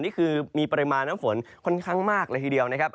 นี่คือมีปริมาณน้ำฝนค่อนข้างมากเลยทีเดียวนะครับ